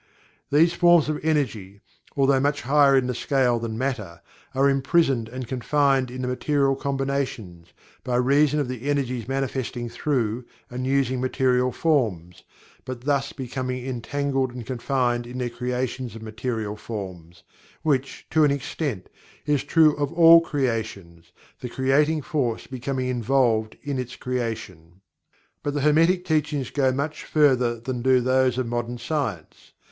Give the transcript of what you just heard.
These forms of energy, although much higher in the scale than matter, are imprisoned and confined in the material combinations, by reason of the energies manifesting through, and using material forms, but thus becoming entangled and confined in their creations of material forms, which, to an extent, is true of all creations, the creating force becoming involved in its creation. But the Hermetic Teachings go much further than do those of modern science.